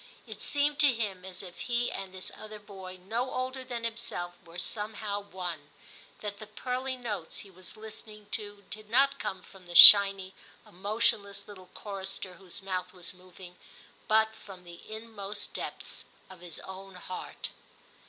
It seemed to him as if he and this other boy no older than himself were somehow one, that the pearly notes he was listening to did not come from the shiny emotionless little chorister whose mouth was moving, but from the inmost depths of his own heart.